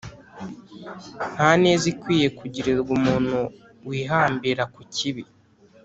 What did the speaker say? Nta neza ikwiye kugirirwa umuntu wihambira ku kibi,